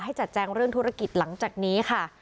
จัดแจงเรื่องธุรกิจหลังจากนี้ค่ะ